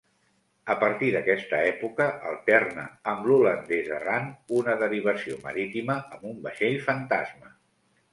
A partir d'aquesta època alterna amb l'holandès errant, una derivació marítima amb un vaixell fantasma.